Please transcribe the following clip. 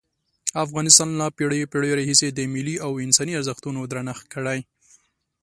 افغانستان له پېړیو پېړیو راهیسې د ملي او انساني ارزښتونو درنښت کړی.